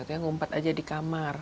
tempat saja di kamar